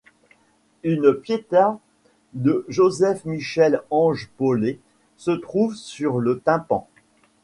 Une Piéta de Joseph-Michel-Ange Pollet se trouve sur le tympan.